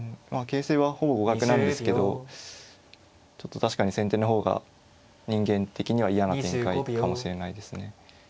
形勢はほぼ互角なんですけどちょっと確かに先手の方が人間的には嫌な展開かもしれないですね。